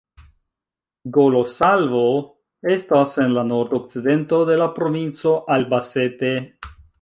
Golosalvo estas en la nordokcidento de la provinco Albacete.